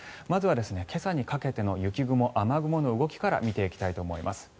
まずは、今朝にかけての雪雲、雨雲の動きから見ていきたいと思います。